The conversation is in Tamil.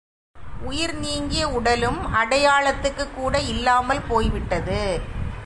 உயிர் நீங்கிய உடலும் அடையாளத்துக்குக் கூட இல்லாமால் போய் விட்டது.